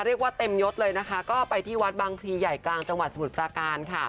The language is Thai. เรียกว่าเต็มยศเลยนะคะก็ไปที่วัดบังพรี่ใหญ่กลางตล์วัดสมุทรศาการ